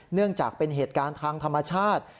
เนื่องจากเป็นเหตุการณ์ทางธรรมชาติ